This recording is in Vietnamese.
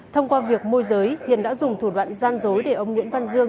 thông qua việc môi giới hiền đã dùng thủ đoạn gian dối để ông nguyễn văn dương